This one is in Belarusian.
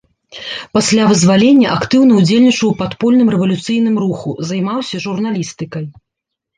Пасля вызвалення актыўна ўдзельнічаў у падпольным рэвалюцыйным руху, займаўся журналістыкай.